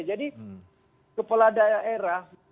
jadi kepala daerah